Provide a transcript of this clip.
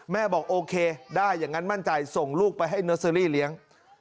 บอกโอเคได้อย่างนั้นมั่นใจส่งลูกไปให้เนอร์เซอรี่เลี้ยง